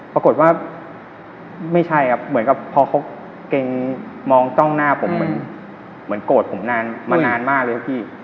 ปรากฏว่าไม่ใช่ครับเพราะเขามองจ้องหน้าผมเหมือนโกรธผมมานานมากเลยครับพี่